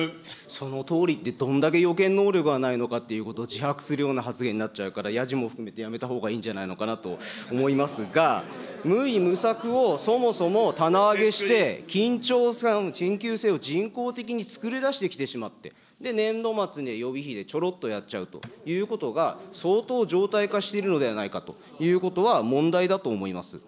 そのとおりって、どんだけ予見能力がないのかっていうことを自白するような発言になっちゃうから、やじも含めてやめたほうがいいんじゃないのかなと思いますが、無為無策をそもそも棚上げして、緊急性を人工的に作り出してきてしまって、で、年度末には予備費でちょろっとやっちゃうということが、相当常態化しているのではないかということは問題だと思います。